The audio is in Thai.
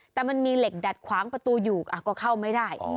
แต่มันมีเหล็กดัดขวางประตูอยู่ก็เข้าไม่ได้